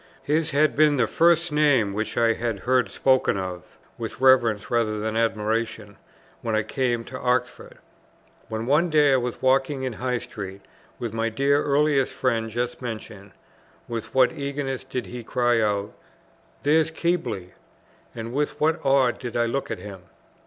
His had been the first name which I had heard spoken of, with reverence rather than admiration, when I came up to Oxford. When one day I was walking in High Street with my dear earliest friend just mentioned, with what eagerness did he cry out, "There's Keble!" and with what awe did I look at him!